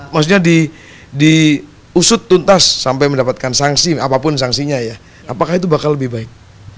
maksudnya diusut tuntas sampai mendapatkan sanksi apapun sanksinya ya apakah itu bakal lebih baik